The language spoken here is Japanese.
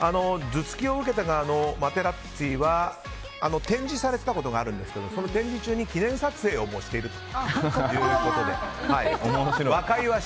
頭突きを受けた側のマテラッツィは展示されてたことがあるんですけど記念撮影をしているということで。